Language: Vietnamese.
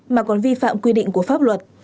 mà còn vi phạm quy định của pháp luật